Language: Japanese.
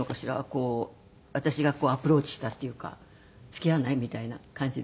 私がアプローチしたっていうか付き合わない？みたいな感じで。